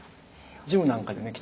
ジムなんかでね